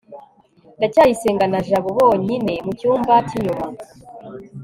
ndacyayisenga na jabo bonyine mu cyumba cy'inyuma